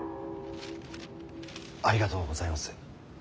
ありがとうございます。